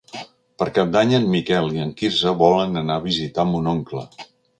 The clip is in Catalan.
Per Cap d'Any en Miquel i en Quirze volen anar a visitar mon oncle.